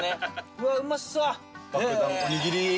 うわうまそう！